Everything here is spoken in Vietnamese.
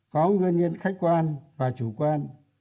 có ngư nhiên khách quan và chủ quan